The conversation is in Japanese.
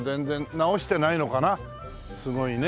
すごいね。